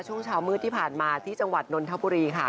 ช่วงเช้ามืดที่ผ่านมาที่จังหวัดนนทบุรีค่ะ